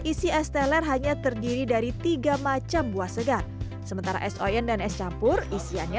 isi es teler hanya terdiri dari tiga macam buah segar sementara es oyen dan es campur isiannya